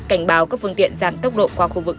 cảnh báo các phương tiện giảm tốc độ qua khu vực